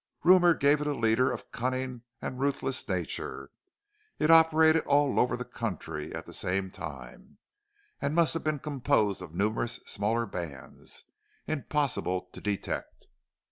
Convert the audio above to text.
Rumor gave it a leader of cunning and ruthless nature. It operated all over the country at the same time, and must have been composed of numerous smaller bands, impossible to detect.